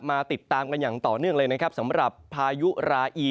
มาติดตามกันอย่างต่อเนื่องเลยสำหรับภายุราอี